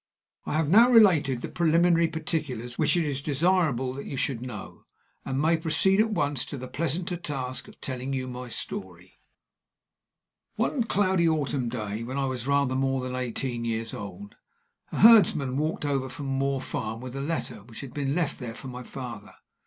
I have now related the preliminary particulars which it is desirable that you should know, and may proceed at once to the pleasanter task of telling you my story. One cloudy autumn day, when I was rather more than eighteen years old, a herdsman walked over from Moor Farm with a letter which had been left there for my father.